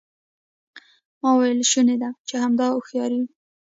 ما وویل شونې ده چې همدا هوښیاري وي.